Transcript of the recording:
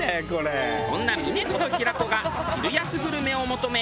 そんな峰子と平子が昼安グルメを求め